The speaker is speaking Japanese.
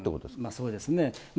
そうですね。